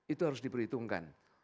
itu harus diperhitungkan